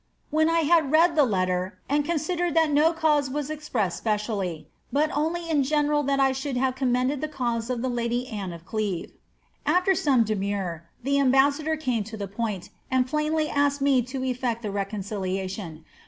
When I had read the letter and cnn^iderefl that no cause was expressed specially, but only in general that I Anaid have commended the cause of the lady Anne of Cleve. After !>ome demur, the ambassador came to tlic point, and plainly asked me toefflpct the reconciliation.